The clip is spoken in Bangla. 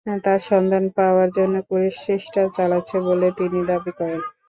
তাঁর সন্ধান পাওয়ার জন্য পুলিশ চেষ্টা চালাচ্ছে বলে তিনি দাবি করেন।